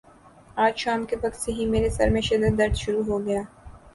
آج شام کے وقت سے ہی میرے سر میں شدد درد شروع ہو گیا۔